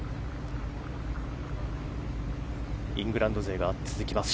イングランド勢が続きます。